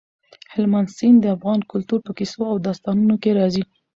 هلمند سیند د افغان کلتور په کیسو او داستانونو کې راځي.